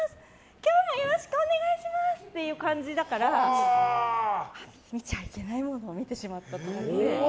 今日もよろしくお願いします！っていう感じだから見ちゃいけないものを見てしまったと思って。